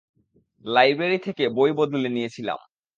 Library থেকে বই বদলে নিয়েছিলাম।